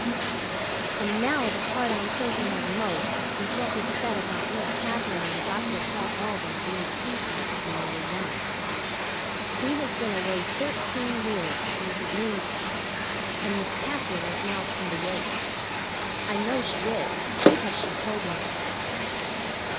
And now the part I'm thinking of most is what was said about Miss Katherine and Dr. Parke Alden being sweethearts when they were young. He has been away thirteen years, Mrs. Moon said, and Miss Katherine is now twenty eight. I know she is, because she told me so.